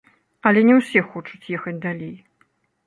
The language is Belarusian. Але не ўсе хочуць ехаць далей.